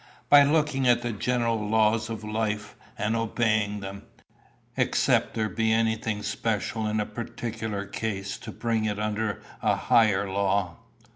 "By looking at the general laws of life, and obeying them except there be anything special in a particular case to bring it under a higher law."